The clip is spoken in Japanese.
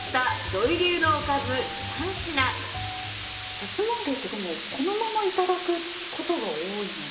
さつまあげってでもこのまま頂く事が多いので。